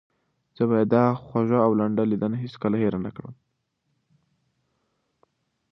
زه به دا خوږه او لنډه لیدنه هیڅکله هېره نه کړم.